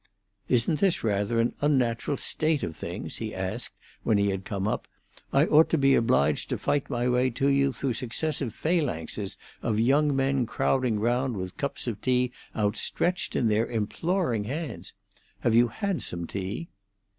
"Isn't this rather an unnatural state of things?" he asked when he had come up. "I ought to be obliged to fight my way to you through successive phalanxes of young men crowding round with cups of tea outstretched in their imploring hands. Have you had some tea?"